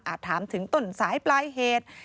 ถามถึงต้นสายปลายเหตุ